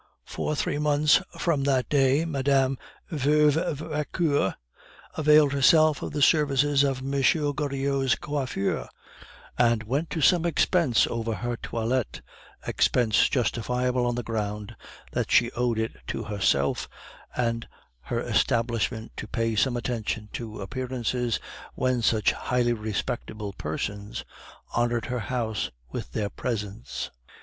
For three months from that day Mme. Veuve Vauquer availed herself of the services of M. Goriot's coiffeur, and went to some expense over her toilette, expense justifiable on the ground that she owed it to herself and her establishment to pay some attention to appearances when such highly respectable persons honored her house with their presence.